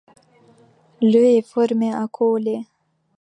Le est formé à Cholet.